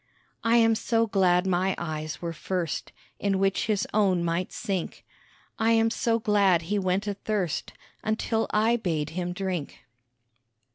I am so glad my eyes were first In which his own might sink; I am so glad he went athirst Until I bade him drink.